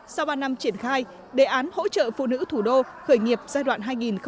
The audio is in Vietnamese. sau ba năm triển khai đề án hỗ trợ phụ nữ thủ đô khởi nghiệp giai đoạn hai nghìn một mươi chín hai nghìn hai mươi năm